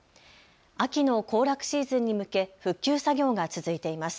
秋の行楽シーズンに向け復旧作業が続いています。